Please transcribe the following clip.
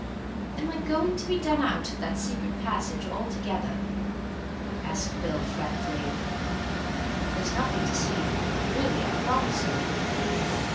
"Am I going to be done out of that secret passage altogether?" asked Bill fretfully. "There's nothing to see, really, I promise you."